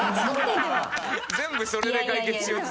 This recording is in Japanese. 全部それで解決しようとする。